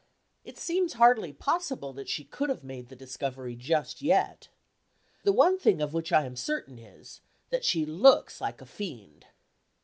It seems hardly possible that she could have made the discovery just yet. The one thing of which I am certain is, that she looks like a fiend.